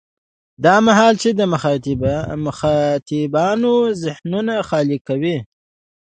دا مهال چې مخاطبانو ذهنونه خالي وي.